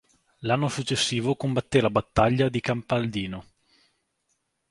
L'anno successivo combatté la battaglia di Campaldino.